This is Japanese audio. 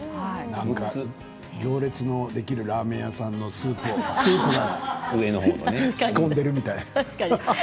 なんか行列のできるラーメン屋さんのスープを仕込んでいるみたい。